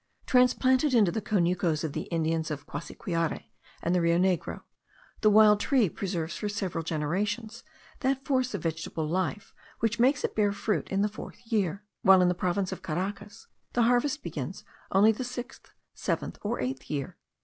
Transplanted into the conucos of the Indians of Cassiquiare and the Rio Negro, the wild tree preserves for several generations that force of vegetable life, which makes it bear fruit in the fourth year; while, in the province of Caracas, the harvest begins only the sixth, seventh, or eighth year.